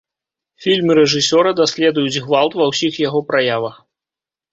Фільмы рэжысёра даследуюць гвалт ва ўсіх яго праявах.